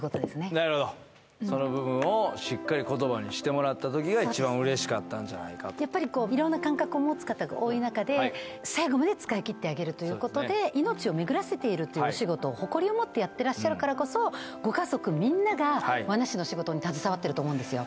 なるほどその部分をしっかり言葉にしてもらったときが一番嬉しかったんじゃないかとやっぱりいろんな感覚を持つ方が多い中で最後まで使い切ってあげるということで命をめぐらせているというお仕事を誇りを持ってやってらっしゃるからこそご家族みんなが罠師の仕事に携わってると思うんですよ